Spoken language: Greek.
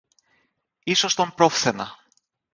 ίσως τον πρόφθαινα.